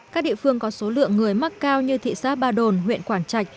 các địa phương có số lượng người mắc cao như thị xã ba đồn huyện quảng trạch